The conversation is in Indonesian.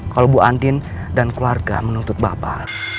kalau bu andin dan keluarga menuntut bapak